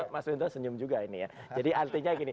mas window senyum juga ini ya jadi artinya gini